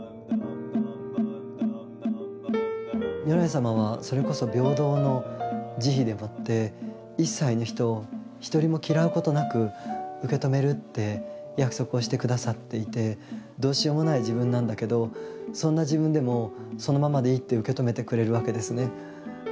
如来様はそれこそ平等の慈悲でもって一切の人を一人も嫌うことなく受け止めるって約束をして下さっていてどうしようもない自分なんだけどそんな自分でもそのままでいいって受け止めてくれるわけですね。